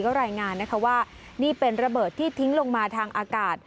ก็รายงานนะคะว่านี่เป็นระเบิดที่ทิ้งลงมาทางอากาศ